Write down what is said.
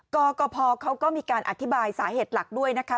กกพเขาก็มีการอธิบายสาเหตุหลักด้วยนะคะ